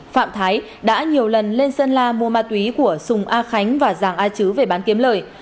phạm thái đã nhiều lần lên sơn la mua ma túy của sùng a khánh và giàng a chứ về bán kiếm lời